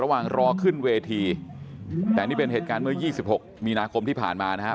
รอขึ้นเวทีแต่นี่เป็นเหตุการณ์เมื่อ๒๖มีนาคมที่ผ่านมานะครับ